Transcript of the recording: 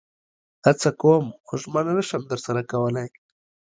هڅه کوم خو ژمنه نشم درسره کولئ